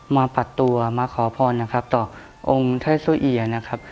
มาปัดตัวมาขอพรต่อองค์ไทยสุยียะ